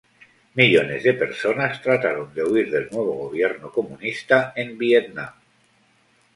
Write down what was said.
Millones de personas trataron de huir del nuevo gobierno comunista en Vietnam.